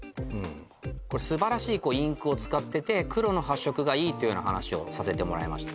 これ素晴らしいインクを使ってて黒の発色がいいっていうような話をさせてもらいました